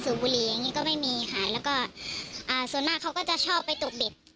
สูบบุหรี่อย่างนี้ก็ไม่มีค่ะแล้วก็ส่วนมากเขาก็จะชอบไปตกเบ็ด